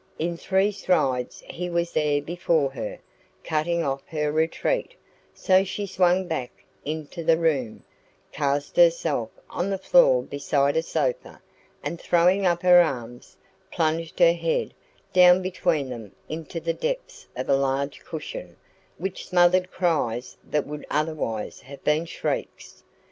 In three strides he was there before her, cutting off her retreat; so she swung back into the room, cast herself on the floor beside a sofa, and throwing up her arms, plunged her head down between them into the depths of a large cushion, which smothered cries that would otherwise have been shrieks.